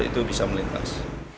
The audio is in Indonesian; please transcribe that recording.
itu bisa melintas